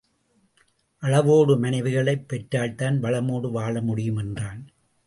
அளவோடு மனைவிகளைப் பெற்றால்தான் வளமோடு வாழ முடியும் என்றான்.